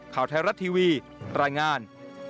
ข่าวไทยรัฐทีวีรายงาน